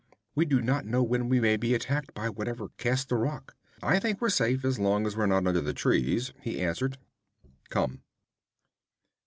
We do not know when we may be attacked by whatever cast the rock.' 'I think we're safe as long as we're not under the trees,' he answered. 'Come.'